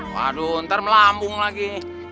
waduh ntar melambung lagi